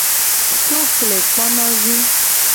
Suklekponovi.